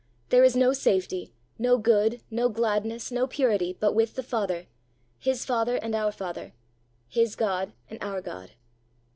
There is no safety, no good, no gladness, no purity, but with the Father, his father and our father, his God and our God."